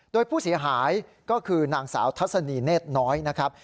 โดยผู้เสียหายก็คือนางสาวทัศนีเนธน้อยนะครับ